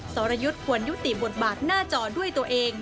สรยุทธ์ควรยุติบทบาทหน้าจอด้วยตัวเอง